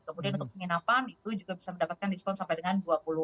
kemudian untuk penginapan itu juga bisa mendapatkan diskon sampai dengan dua puluh